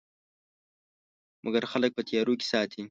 مګر خلک په تیارو کې ساتي.